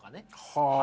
はあ。